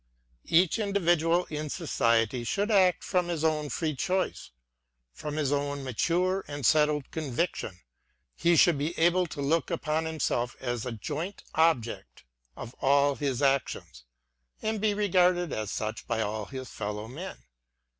Each individual in society should act from his own free choice, from his own mature and settled con viction ;— he should be able to look upon himself as a joint object of all his actions, and be regarded as such by all his fellow men.